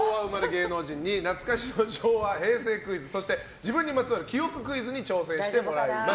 芸能人に懐かしの昭和・平成クイズそして自分にまつわる記憶クイズに挑戦してもらいます。